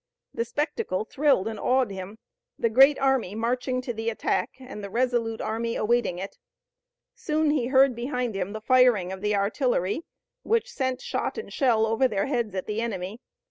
The spectacle thrilled and awed him the great army marching to the attack and the resolute army awaiting it. Soon he heard behind him the firing of the artillery which sent shot and shell over their heads at the enemy.